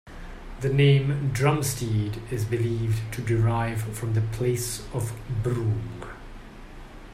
The name Brumstead is believed to derive from the "place of broom".